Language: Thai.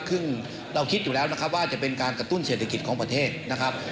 ซึ่งเราคิดอยู่แล้วนะครับว่าจะเป็นการกระตุ้นเศรษฐกิจของประเทศนะครับ